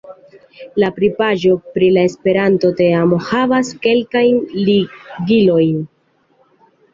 La pri-paĝo pri la Esperanto-teamo havas kelkajn ligilojn.